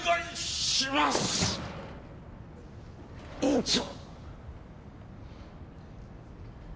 院長。